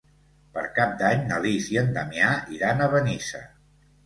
Per Cap d'Any na Lis i en Damià iran a Benissa.